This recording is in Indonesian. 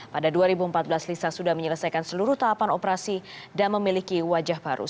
pada dua ribu empat belas lisa sudah menyelesaikan seluruh tahapan operasi dan memiliki wajah parus